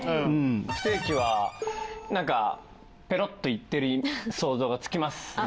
ステーキはなんかペロッといってる想像がつきますね。